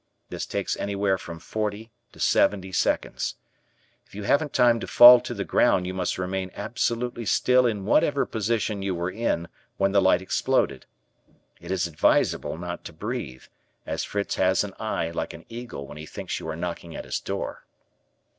This takes anywhere from forty to seventy seconds. If you haven't time to fall to the ground you must remain absolutely still in whatever position you were in when the light exploded; it is advisable not to breathe, as Fritz has an eye like an eagle when he thinks you are knocking at his door.